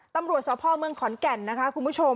ตำรวจสพเมืองขอนแก่นนะคะคุณผู้ชม